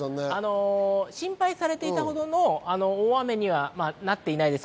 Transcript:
心配されていたほどの大雨にはなっていないです。